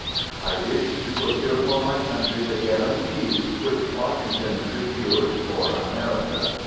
I wished to procure for my country the guarantee which Washington procured for America.